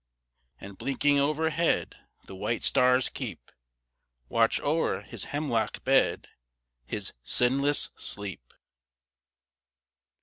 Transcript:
And blinking overhead the white stars keep Watch o'er his hemlock bed his sinless sleep.